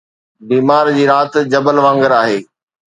بيمار جي رات جبل وانگر آهي